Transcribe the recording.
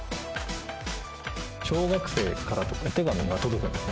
小学生からとか、お手紙が届くんですね。